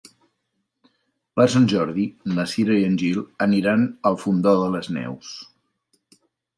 Per Sant Jordi na Cira i en Gil aniran al Fondó de les Neus.